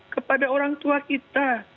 kepada orang tua kita